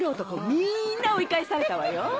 みんな追い返されたわよ。